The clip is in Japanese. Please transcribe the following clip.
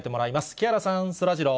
木原さん、そらジロー。